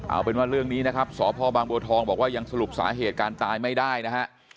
เอาเป็นว่าเรื่องนี้นะครับสพบางบัวทองบอกว่ายังสรุปสาเหตุการตายไม่ได้นะฮะ